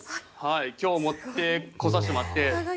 今日持ってこさせてもらってて。